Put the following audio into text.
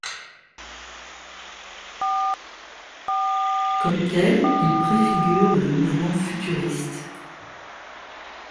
Comme tel, il préfigure le mouvement Futuriste.